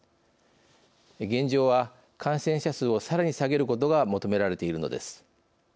現状は、感染者数をさらに下げることが求められているのです。